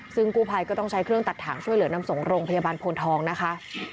ซึ่งกู้ภัยก็ต้องใช้เครื่องตัดถ่างช่วยเหลือนำส่งโรงพยาบาลโพนทองนะคะ